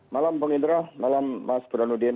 malam bang indra malam mas burhanuddin